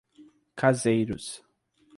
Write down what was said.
Caseiros